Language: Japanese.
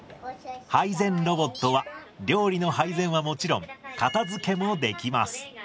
配膳ロボットは料理の配膳はもちろん片づけもできます。